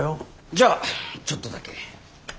じゃあちょっとだけ。